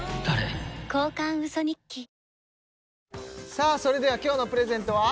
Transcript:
さあそれでは今日のプレゼントは？